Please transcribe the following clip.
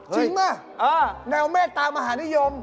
จริงเหมือนกันแนวใม่ตามหานิยม